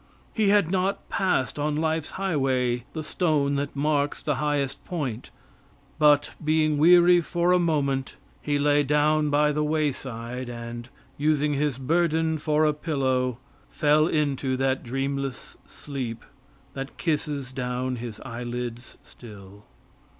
He had not passed on life's highway the stone that marks the highest point, but being weary for a moment he lay down by the wayside, and, using his burden for a pillow, fell into that dreamless sleep that kisses down his eyelids still.